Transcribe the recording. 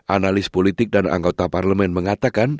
analis politik dan anggota parlemen mengatakan